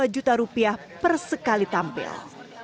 lima juta rupiah per sekali tampil